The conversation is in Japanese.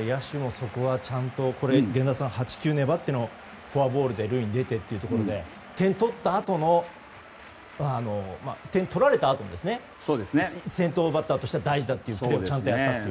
野手も、そこはちゃんと源田さん８球粘ってのフォアボールで塁に出てというところで点を取られたあとの先頭バッターとしては大事だというところをちゃんとやったと。